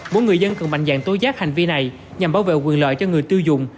mỗi người dân cần mạnh dạng tố giác hành vi này nhằm bảo vệ quyền lợi cho người tiêu dùng